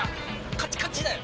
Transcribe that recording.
カチカチだよ。